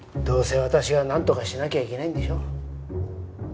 どうせ私がなんとかしなきゃいけないんでしょ。